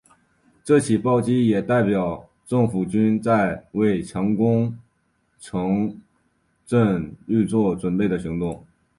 这起炮击也代表政府军在为强攻城镇预作准备的行动。